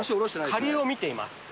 下流を見ています。